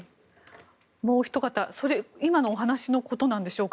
もうおひと方今のお話のことなんでしょうか。